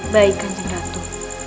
baik kanjeng ratu